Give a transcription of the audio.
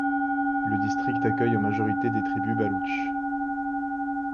Le district accueille en majorité des tribus Baloutches.